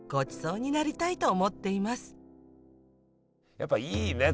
やっぱいいね